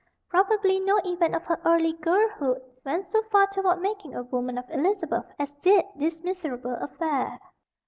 Probably no event of her early girlhood went so far toward making a woman of Elizabeth as did this miserable affair."